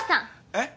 えっ？